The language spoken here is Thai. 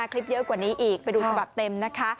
คลิปเยอะกว่านี้อีกไปดูสำหรับเต็ม